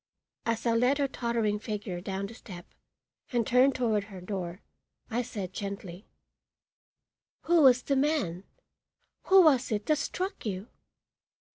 As I led her tottering figure down the step and turned toward her door I said gently: "Who was the man? Who was it that struck you?"